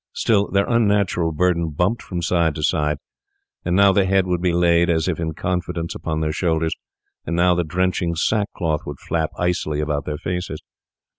Still their unnatural burden bumped from side to side; and now the head would be laid, as if in confidence, upon their shoulders, and now the drenching sack cloth would flap icily about their faces.